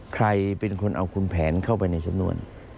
ใครเป็นคนเอาคุณแผนเข้าไปในสำนวน